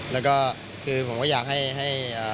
แล้วก็คือผมก็อยากให้